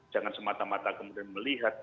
jangan semata mata kemudian melihat